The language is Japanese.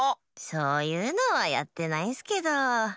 そういうのはやってないんスけど。